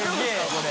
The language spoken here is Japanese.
これ。